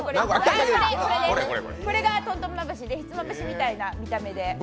これです、これがとんとんまぶしで、ひつまぶしみたいな見た目で。